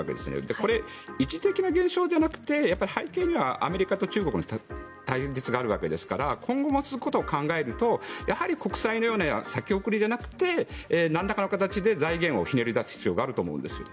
これ、一時的な現象じゃなくて背景にはアメリカと中国の対立があるわけですから今後も続くことを考えるとやはり国債のような先送りではなくてなんらかの形で財源をひねり出す必要があると思うんです。